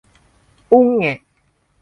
อุแง๊ะ